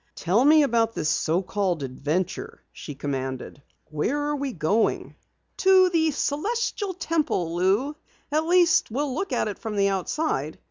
"Tell me about this so called adventure," she commanded. "Where are we going?" "To the Celestial Temple, Lou. At least, we'll look at it from the outside.